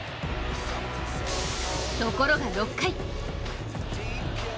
ところが６回。